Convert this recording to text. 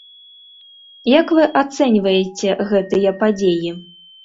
Як вы ацэньваеце гэтыя падзеі?